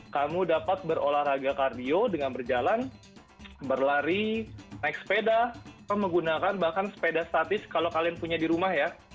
kamu dapat berolahraga kardio dengan berjalan berlari naik sepeda menggunakan bahkan sepeda statis kalau kalian punya di rumah ya